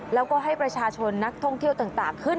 แล้วก็ให้ประชาชนนักท่องเที่ยวต่างขึ้น